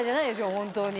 本当に。